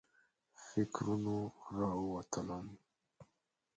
فکرونو راووتلم.